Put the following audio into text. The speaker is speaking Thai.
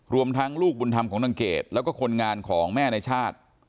รวมทั้งลูกบุญธรรมของนางเกดแล้วก็คนงานของแม่ในชาติ